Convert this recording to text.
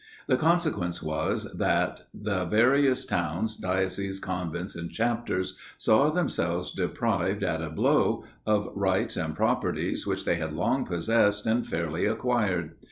The consequence was, that the various towns, dioceses, convents, and chapters saw themselves deprived, at a blow, of rights and property which they had long possessed, and fairly acquired.